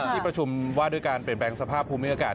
ที่ประชุมว่าด้วยการเปลี่ยนแปลงสภาพภูมิอากาศ